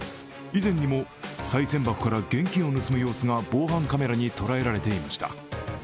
以前にもさい銭箱から現金を盗む様子が防犯カメラに捉えられていました。